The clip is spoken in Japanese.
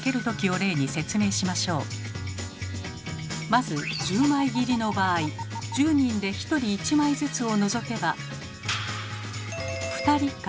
まず１０枚切りの場合１０人で１人１枚ずつを除けば２人か。